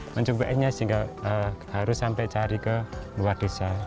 mencobanya sehingga harus sampai cari ke luar desa